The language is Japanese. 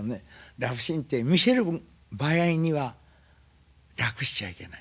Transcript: ラブシーンって見せる場合には楽しちゃいけない。